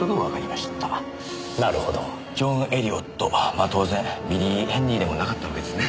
まあ当然ビリー・ヘンリーでもなかったわけですね。